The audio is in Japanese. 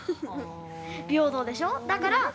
平等でしょ？だから。